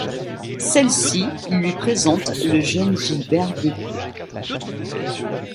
Celle-ci lui présente le jeune Gilbert Bécaud.